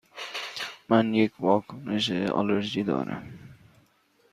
من یک واکنش آلرژی دارم.